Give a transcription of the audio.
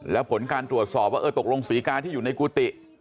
แล้วผลการตรวจสอบว่าเออตกลงศรีกาที่อยู่ในกุฏิ